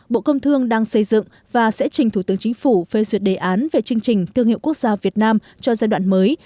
bộ công thương đang xây dựng và sẽ trình thủ tướng chính phủ phê duyệt đề án về chương trình thương hiệu quốc gia việt nam cho giai đoạn mới